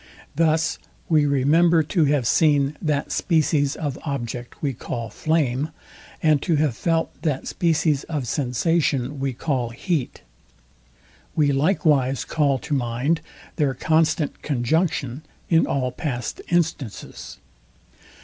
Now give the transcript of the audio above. Thus we remember, to have seen that species of object we call flame, and to have felt that species of sensation we call heat. We likewise call to mind their constant conjunction in all past instances.